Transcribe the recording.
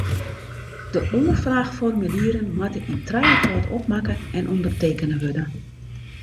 De oanfraachformulieren moatte yn trijefâld opmakke en ûndertekene wurde.